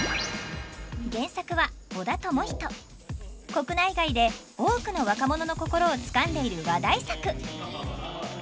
国内外で多くの若者の心をつかんでいる話題作！